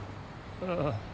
ああ。